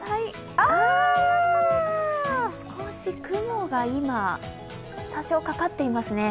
少し雲が今、多少かかっていますね。